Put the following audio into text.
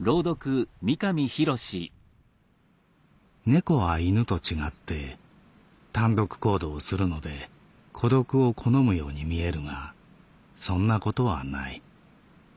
「猫は犬と違って単独行動をするので孤独を好むように見えるがそんなことはない。